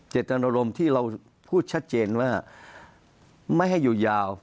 เจตนารมณ์ที่เราพูดชัดเจนว่าไม่ให้อยู่ยาว